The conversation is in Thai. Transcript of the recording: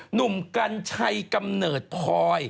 หนุ่มกัญชัยกำเนิดพลอย